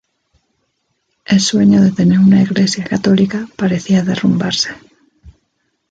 El sueño de tener una iglesia católica parecía derrumbarse.